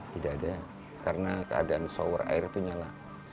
tidak ada karena keadaan shower air itu nyala